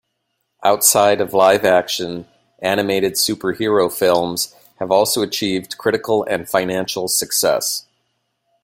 Outside of live action, animated superhero films have also achieved critical and financial success.